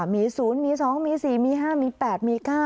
มี๐มี๒มี๔มี๕มี๘มี๙